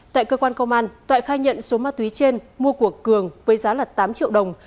tại cơ quan công an toại khai nhận số ma túy trên mua của cường với giá tám triệu đồng